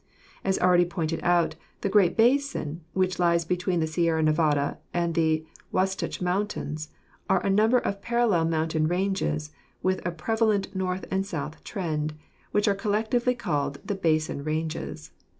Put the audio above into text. As already pointed out, in the Great Basin, which lies between the Sierra Nevada and the Wasatch Mountains, are a number of parallel mountain ranges with a prevalent north and south trend, which are collectively called the Basin Ranges.